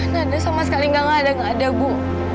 nanda sama sekali nggak ngadeng ada ibu